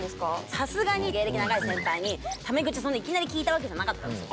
さすがに芸歴長い先輩にタメ口そんないきなり利いたわけじゃなかったんですよ。